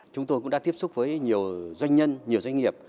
chúng tôi cũng đã tiếp xúc với nhiều doanh nhân nhiều doanh nghiệp